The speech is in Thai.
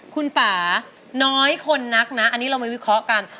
คุณป่าน้อยคนนักนะอันนี้เรามาวิเคราะห์กัน